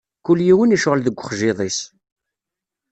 Kul yiwen icɣel deg uxjiḍ-is.